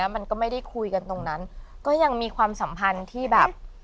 มันก็ไม่ได้คุยกันตรงนั้นก็ยังมีความสัมพันธ์ที่แบบ